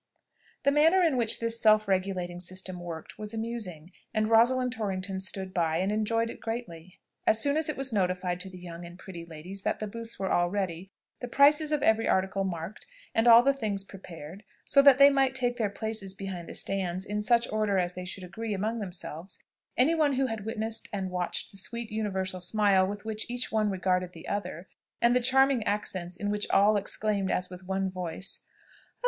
The manner in which this self regulating system worked was amusing, and Rosalind Torrington stood by, and enjoyed it greatly. As soon as it was notified to the young and pretty ladies that the booths were all ready, the prices of every article marked, and all things prepared so that they might take their places behind the stands in such order as they should agree among themselves, any one who had witnessed and watched the sweet universal smile with which each one regarded the other, and the charming accents in which all exclaimed as with one voice, "Oh!